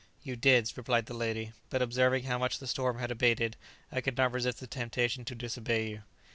"] "You did," replied the lady; "but observing how much the storm had abated, I could not resist the temptation to disobey you."